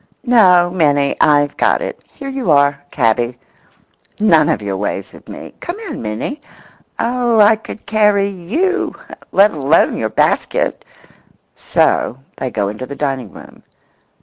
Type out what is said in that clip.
No, Minnie, I've got it; here you are, cabby—none of your ways with me. Come in, Minnie. Oh, I could carry you, let alone your basket!" So they go into the dining room.